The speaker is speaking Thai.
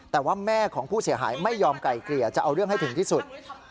แต่ว่าแม่ของผู้เสียหายไม่ยอมไก่เกลี่ยจะเอาเรื่องให้ถึงที่สุด